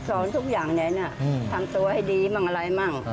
สอนทุกอย่างเนี่ยนะทำตัวให้ดีบางอะไรบ้าง